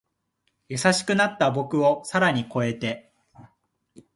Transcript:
優しくなった僕を更に越えて